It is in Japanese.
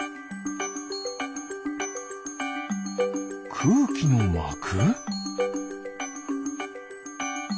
くうきのまく？